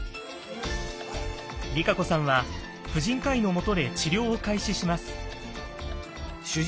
ＲＩＫＡＣＯさんは婦人科医のもとで治療を開始します。